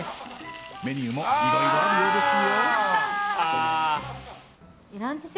メニューもいろいろあるようですよ。